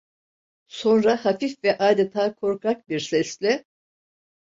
Sonra hafif ve adeta korkak bir sesle.